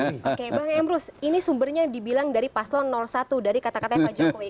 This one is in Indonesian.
oke bang emrus ini sumbernya dibilang dari paslon satu dari kata katanya pak jokowi